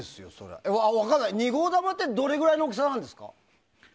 ２号玉ってどれぐらいの大きさなんですか？